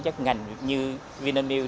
nhiên văn ngành như vinamil